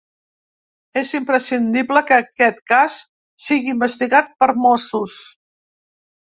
És imprescindible que aquest cas sigui investigat per mossos.